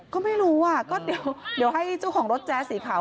ก็ไม่รู้อ่ะก็เดี๋ยวให้เจ้าของรถแจ๊สสีขาว